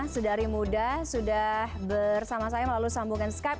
sedari muda sudah bersama saya melalui sambungan skype